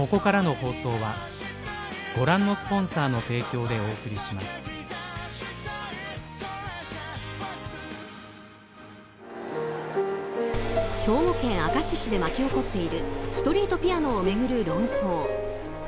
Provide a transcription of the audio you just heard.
兵庫県明石市で巻き起こっているストリートピアノを巡る論争。